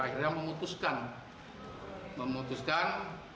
akhirnya memutuskan memutuskan